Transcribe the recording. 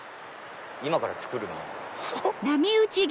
今から作るの？